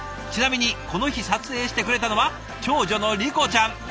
ちなみにこの日撮影してくれたのは長女の理心ちゃん。